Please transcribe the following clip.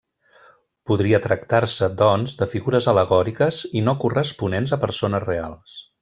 Podria tractar-se, doncs, de figures al·legòriques i no corresponents a persones reals.